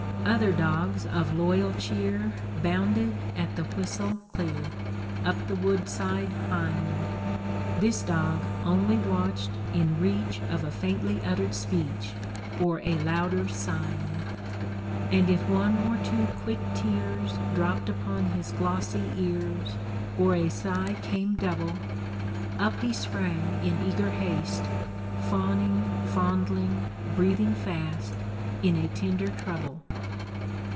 Other dogs of loyal cheer Bounded at the whistle clear, Up the woodside hieing This dog only watched in reach Of a faintly uttered speech, Or a louder sighing. And if one or two quick tears Dropped upon his glossy ears, Or a sigh came double, Up he sprang in eager haste, Fawning, fondling, breathing fast, In a tender trouble.'"